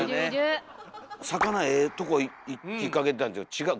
魚ええとこいきかけてたんですけど違う。